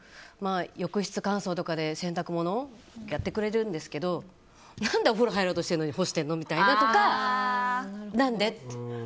浴室乾燥とかで洗濯物をやってくれるんですけど何でお風呂入ろうとしてるのに干してるの？とか。